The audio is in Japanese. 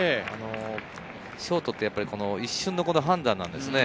ショートは一瞬の判断なんです。